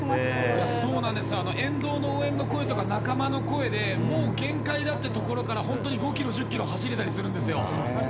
沿道の応援の声とか仲間の声でもう限界というところから本当に５キロ、１０キロ走れたりするんですよ。